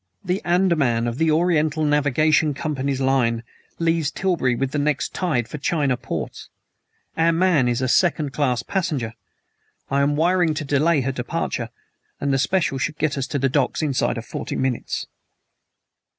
"The ANDAMAN, of the Oriental Navigation Company's line, leaves Tilbury with the next tide for China ports. Our man is a second class passenger. I am wiring to delay her departure, and the special should get us to the docks inside of forty minutes."